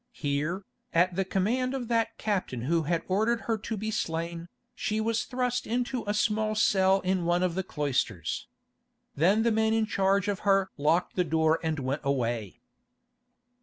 Here, at the command of that captain who had ordered her to be slain, she was thrust into a small cell in one of the cloisters. Then the men in charge of her locked the door and went away.